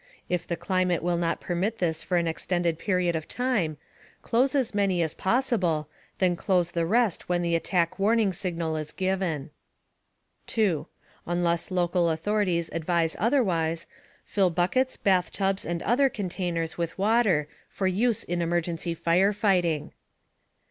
If the climate will not permit this for an extended period of time, close as many as possible, then close the rest when the Attack Warning Signal is given. (2) Unless local authorities advise otherwise, fill buckets, bathtubs and other containers with water, for use in emergency fire fighting.